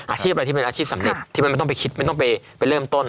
อาชีพอะไรที่เป็นอาชีพสำเร็จที่มันไม่ต้องไปคิดไม่ต้องไปเริ่มต้น